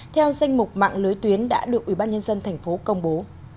theo danh mục mạng lưới tuyến đã được ủy ban nhân dân tp hcm công bố